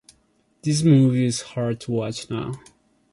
This movie's hard to watch now.